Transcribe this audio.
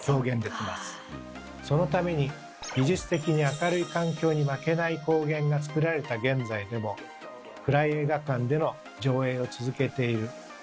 そのために技術的に明るい環境に負けない光源が作られた現在でも暗い映画館での上映を続けているということです。